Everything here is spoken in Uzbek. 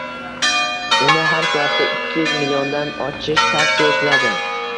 Uni har soatda ikki yuz mldan ichish tavsiya etiladi.